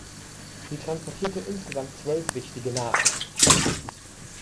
Sie transportierte insgesamt zwölf wichtige Nachrichten.